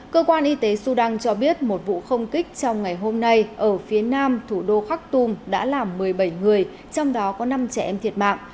cơ quan y tế sudan cho biết một vụ không kích trong ngày hôm nay ở phía nam thủ đô khak tum đã làm một mươi bảy người trong đó có năm trẻ em thiệt mạng